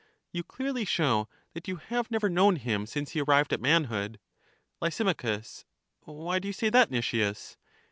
You clearly show that you have never known him since he arrived at manhood. Lys, Why do you say that, Nicias?